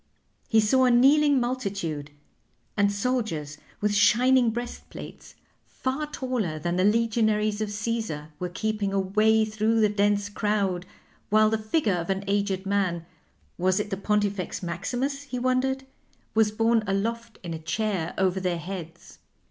He saw a kneeling multitude; and soldiers with shining breastplates, far taller than the legionaries of Caesar, were keeping a way through the dense crowd, while the figure of an aged man was it the Pontifex Maximus, he wondered? was borne aloft in a chair over their heads.